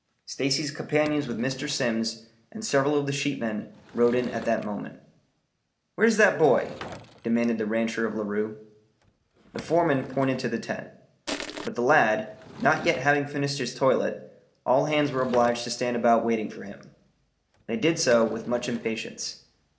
Stacy's companions with Mr. Simms and several of the sheepmen rode in at that moment. "Where's that boy?" demanded the rancher of Larue. The foreman pointed to the tent. But the lad not yet having finished his toilet, all hands were obliged to stand about waiting for him. They did so with much impatience.